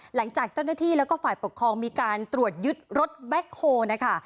หลังจากเจ้าหน้าที่แล้วก็ฝ่ายปกครองมีการตรวจยึดรถแบ็คโฮลนะคะ